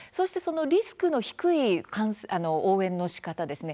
リスクの低い応援のしかた